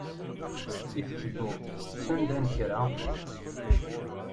I tedduḍ sanda n kra?